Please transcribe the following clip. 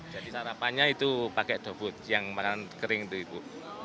jadi sarapannya itu pakai dofut yang makanan kering itu ibu